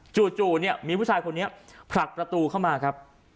จูโตภูเขาผลักประตูเข้ามา